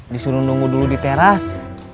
disuruh nunggu dulu di teras